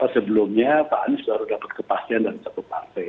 sebelumnya pak anies baru dapat kepastian dari satu partai